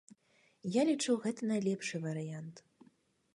Я лічу, гэта найлепшы варыянт.